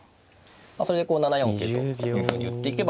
それでこう７四桂というふうに打っていけば。